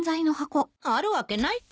あるわけないか。